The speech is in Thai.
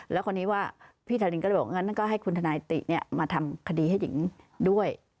แล้วคราวนี้ว่าพี่ทารินก็เลยบอกงั้นก็ให้คุณทนายติมาทำคดีให้หญิงด้วย